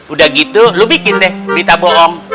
udah gitu lu bikin deh berita bohong